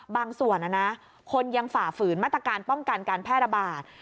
บางส่วนคนยังฝ่าฝืนมาตรการป้องกันการแพร่ระบาด